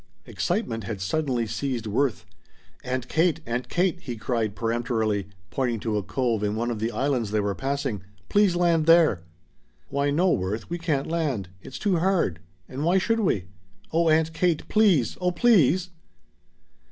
Excitement had suddenly seized Worth. "Aunt Kate Aunt Kate!" he cried peremptorily, pointing to a cove in one of the islands they were passing, "please land there!" "Why no, Worth, we can't land. It's too hard. And why should we?" "Oh Aunt Kate please! Oh please!"